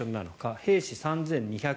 兵士３２００